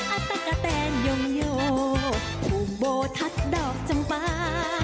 อัตตะกะแตนโยงโยมุมโบทัศน์ดอกจำปลา